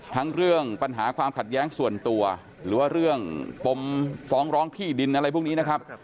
ทั้งเรื่องปัญหาความขัดแย้งส่วนตัวหรือว่าเรื่องปมฟ้องร้องที่ดินอะไรพวกนี้นะครับ